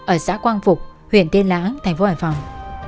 ở xã quang phục huyện tiên lãng tp hải phòng